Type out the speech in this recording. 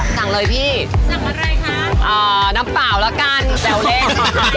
สั่งเลยพี่น้ำเปล่าแล้วกันแจวเล้ง